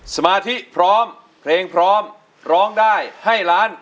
สมาธิพร้อมเพลงพร้อมร้องได้ให้ล้าน